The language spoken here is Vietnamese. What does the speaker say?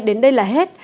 đến đây là hết